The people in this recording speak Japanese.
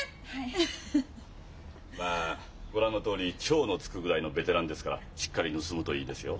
まあご覧のとおり「超」のつくぐらいのベテランですからしっかり盗むといいですよ。